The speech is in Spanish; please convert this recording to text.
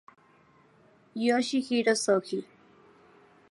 Yoshihiro Shoji